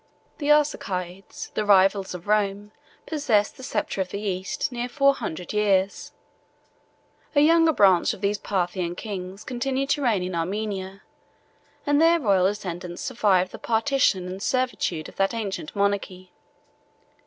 The Arsacides, the rivals of Rome, possessed the sceptre of the East near four hundred years: a younger branch of these Parthian kings continued to reign in Armenia; and their royal descendants survived the partition and servitude of that ancient monarchy.